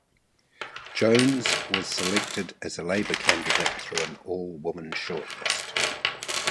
Jones was selected as a Labour candidate through an all-women shortlist.